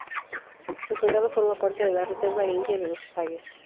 El condado forma parte de la reserva india de los osage.